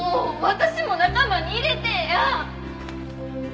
私も仲間に入れてえや。